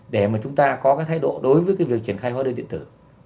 để mà chúng ta có cái thái độ đối với cái việc triển khai hóa đơn điện tử